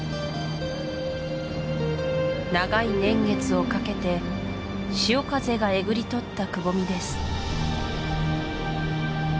長い年月をかけて潮風がえぐりとったくぼみです